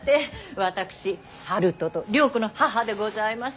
私春風と涼子の母でございます。